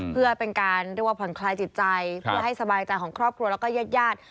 เพื่อเป็นการเรียกว่าผ่อนคลายจิตใจเพื่อให้สบายใจของครอบครัวแล้วก็ญาติญาติ